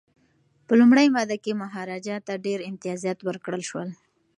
په لومړۍ ماده کي مهاراجا ته ډیر امتیازات ورکړل شول.